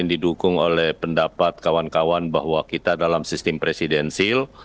didukung oleh pendapat kawan kawan bahwa kita dalam sistem presidensil